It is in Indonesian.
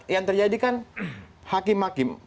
yang terjadi kan hakim hakim